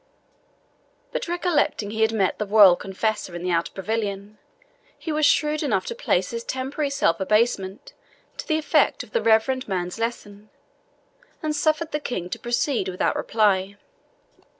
But recollecting he had met the royal confessor in the outer pavilion, he was shrewd enough to place this temporary self abasement to the effect of the reverend man's lesson, and suffered the King to proceed without reply.